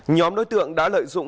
nhóm đối tượng đã lợi dụng